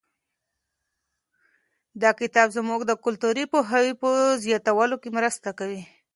دا کتاب زموږ د کلتوري پوهاوي په زیاتولو کې مرسته کوي.